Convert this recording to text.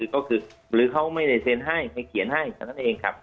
ก็คือหรือเขาไม่ได้เซ็นให้ไปเขียนให้เท่านั้นเองครับ